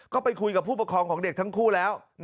ก็ไปคุยกับผู้ผอมกันงานปกครองทั้งคู่แล้วนะ